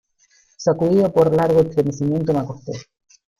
sacudido por largo estremecimiento me acosté.